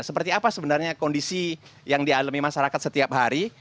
seperti apa sebenarnya kondisi yang dialami masyarakat setiap hari